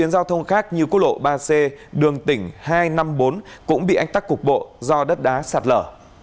không khác như cố lộ ba c đường tỉnh hai trăm năm mươi bốn cũng bị ách tắc cục bộ do đất đá sạt lở